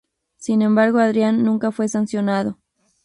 Sin embargo Adrian nunca fue sancionado.